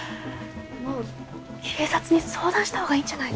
もう警察に相談したほうがいいんじゃないの？